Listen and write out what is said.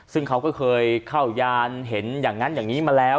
ซึ่งเขาก็เคยเข้ายานเห็นอย่างนั้นอย่างนี้มาแล้ว